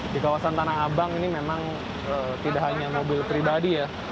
di kawasan tanah abang ini memang tidak hanya mobil pribadi ya